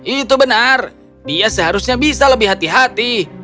itu benar dia seharusnya bisa lebih hati hati